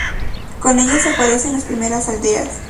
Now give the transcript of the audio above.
Con ellas aparecen las primeras aldeas.